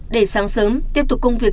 để sáng sớm tiếp tục công việc